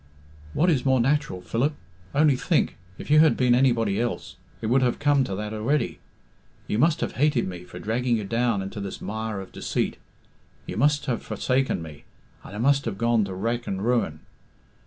"What is more natural, Philip? Only think if you had been anybody else, it would have come to that already. You must have hated me for dragging you down into this mire of deceit, you must have forsaken me, and I must have gone to wreck and ruin.